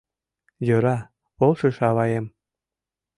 Йӧра, полшыш аваем